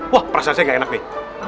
wah perasaan saya nggak enak nih